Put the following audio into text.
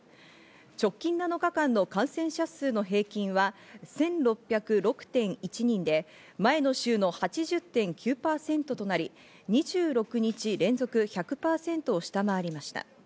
直近７日間の感染者数の平均は１６０６．１人で、前の週の８０．９％となり、２６日連続１００％を下回りました。